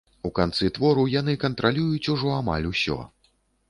У канцы твору яны кантралююць ужо амаль усё.